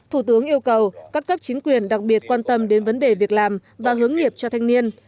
thủ tướng yêu cầu các cấp chính quyền đặc biệt quan tâm đến vấn đề việc làm và hướng nghiệp cho thanh niên